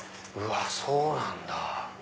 そうなんだ。